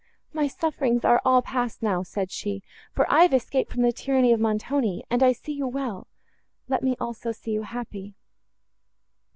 "My sufferings are all passed now," said she, "for I have escaped from the tyranny of Montoni, and I see you well—let me also see you happy."